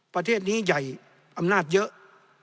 ประเทศนี้ใหญ่อำนาจเยอะ